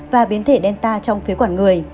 và biến thể delta trong phía quản người